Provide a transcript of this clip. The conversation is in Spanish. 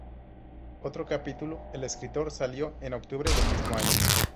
Otro capítulo, "El escritor", salió en octubre del mismo año.